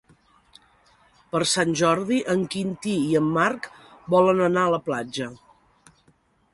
Per Sant Jordi en Quintí i en Marc volen anar a la platja.